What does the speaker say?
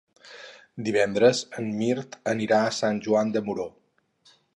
Divendres en Mirt anirà a Sant Joan de Moró.